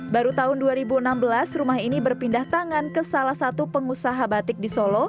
baru tahun dua ribu enam belas rumah ini berpindah tangan ke salah satu pengusaha batik di solo